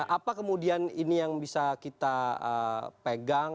apa kemudian ini yang bisa kita pegang